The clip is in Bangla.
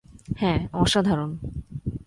হ্যাঁ, অসাধারণ।